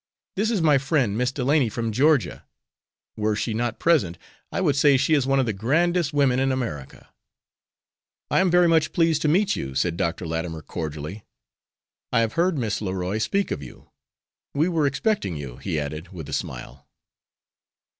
"This is my friend, Miss Delany, from Georgia. Were she not present I would say she is one of the grandest women in America." "I am very much pleased to meet you," said Dr. Latimer, cordially; "I have heard Miss Leroy speak of you. We were expecting you," he added, with a smile.